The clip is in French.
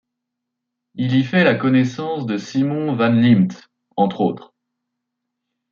Il y fait la connaissance de Simon Van Liemt, entre autres.